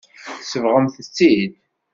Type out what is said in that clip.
Tsebɣemt-tt-id.